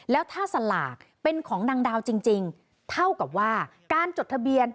แล้วถ้าสลากเป็นของนางดาวจริงเท่ากับว่าการจดทะเบียน